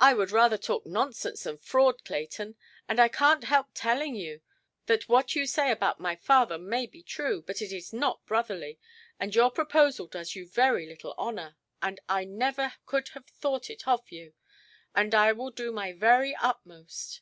"I would rather talk nonsense than fraud, Clayton. And I canʼt help telling you that what you say about my father may be true, but is not brotherly; and your proposal does you very little honour; and I never could have thought it of you; and I will do my very utmost.